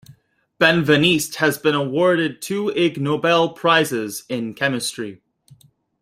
Benveniste has been awarded two Ig Nobel Prizes in Chemistry.